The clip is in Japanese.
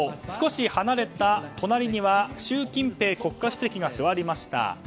少し離れた隣には習近平国家主席が座りました。